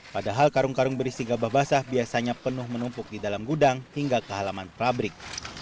padahal karung karung berisi gabah basah biasanya penuh menumpuk di dalam gudang hingga ke halaman pabrik